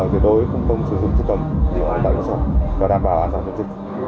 kể đối không công sử dụng chức tầm đảm bảo an toàn dịch